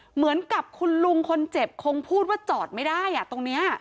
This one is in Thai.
เหมือนกับคุณลุงคนเจ็บคงพูดว่าจอดไม่ได้อ่ะตรงนี้